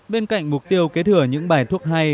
bên cạnh mục tiêu kế thừa những bài thuốc hay